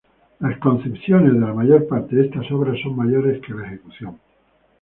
Las concepciones de la mayor parte de estas obras son mejores que la ejecución.